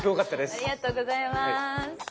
ありがとうございます。